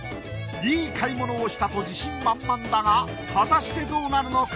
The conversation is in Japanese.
いい買い物をしたと自信満々だが果たしてどうなるのか